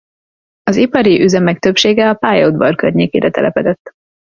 Az ipari üzemek többsége a pályaudvar környékére telepedett.